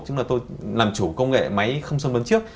tức là tôi làm chủ công nghệ máy không xâm lấn trước